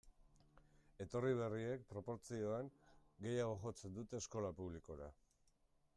Etorri berriek, proportzioan, gehiago jotzen dute eskola publikora.